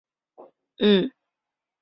改编自王朔的同名长篇小说。